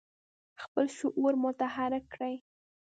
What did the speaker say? خپل شعور متحرک کړي.